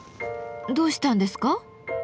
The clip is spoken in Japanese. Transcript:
どうしたんですか？